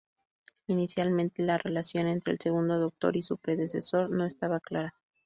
Inicialmente, la relación entre el Segundo Doctor y su predecesor no estaba clara.